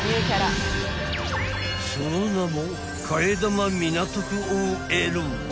［その名も］